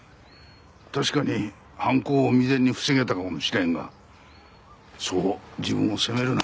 確かに犯行を未然に防げたかもしれんがそう自分を責めるな。